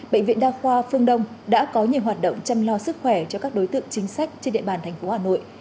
bệnh viện đa khoa phương đông đã có nhiều hoạt động chăm lo sức khỏe cho các đối tượng chính sách trên địa bàn thành phố hà nội